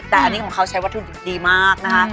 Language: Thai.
แต่อันนี้ของเขาใช้วัตถุดิบดีมากนะคะ